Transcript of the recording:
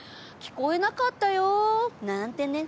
聞こえなかったよ。なんてね。